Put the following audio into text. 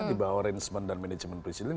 di bawah arrangement dan management presiden